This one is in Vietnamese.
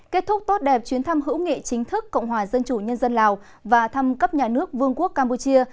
kết thúc tốt đẹp chuyến thăm hữu nghị chính thức cộng hòa dân chủ nhân dân lào và thăm cấp nhà nước vương quốc campuchia